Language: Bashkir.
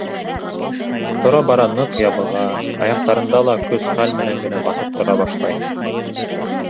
Тора-бара ныҡ ябыға, аяҡтарында ла көс-хәл менән генә баҫып тора башлай.